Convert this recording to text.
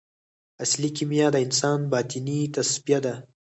اصلي کیمیا د انسان باطني تصفیه ده.